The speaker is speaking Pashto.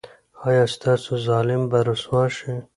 ایا ستاسو ظالم به رسوا شي؟